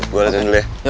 gue latihan dulu ya